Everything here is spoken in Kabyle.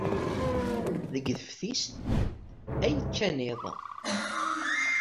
Deg teftist ay kkan iḍ.